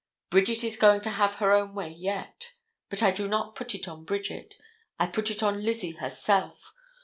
Bridget is going to have her own way yet. But I do not put it on Bridget. I put it on Lizzie herself.